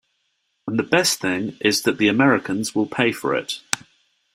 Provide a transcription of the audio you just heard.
'And the best thing is that the Americans will pay for it!